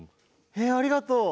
えっありがとう！